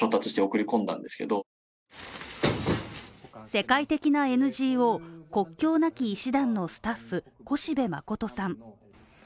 世界的なＮＧＯ国境なき医師団のスタッフ越部真さん。